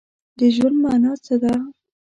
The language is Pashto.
د ژوند مانا څه ده؟